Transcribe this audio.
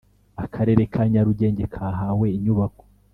Akarere ka Nyarugenge kahawe inyubako